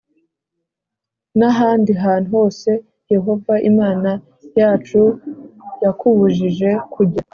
n’ahandi hantu hose yehova imana yacu yakubujije kujya